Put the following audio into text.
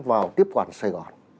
vào tiếp quản sài gòn